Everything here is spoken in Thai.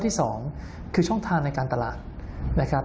ข้อที่๒คือช่องทางในการตลาด